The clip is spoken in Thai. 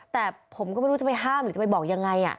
แต่ผมก็ไม่รู้จะไปห้ามหรือจะไปบอกยังไง